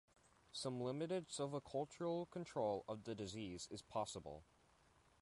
Some limited silvicultural control of the disease is possible.